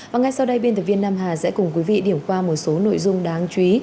và ngay sau đây biên tập viên nam hà sẽ cùng quý vị điểm qua một số nội dung đáng chú ý